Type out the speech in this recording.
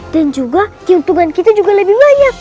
dan juga keuntungan kita juga lebih banyak